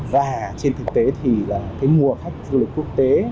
và trên thực tế thì mùa khách du lịch quốc tế